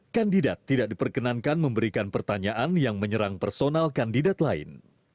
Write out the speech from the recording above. kandidat tidak diperkenankan memberikan pertanyaan yang menyerang personal kandidat lain